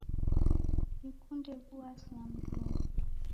Sikunde wuasi na mndungi